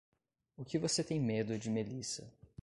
O que você tem medo de Melissa?